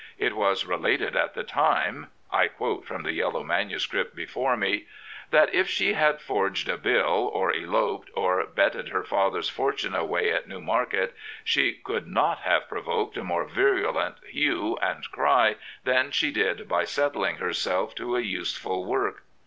It was related at the time "— I quote from the yellow manuscript before me —" that if she had forged a bill, or eloped, or betted her father's fortune away at Newmarket, she could not have provoked a more virulent hue and cry than she did by settling herself to a izseful work."